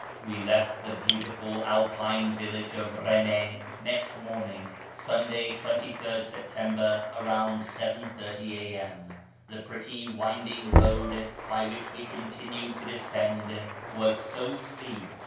We left the beautiful Alpine village of Eene next morning (Sunday, 23rd September) about 7.30 a.m. The pretty wind ing road by which w^e continued to descend was so steep that 56o .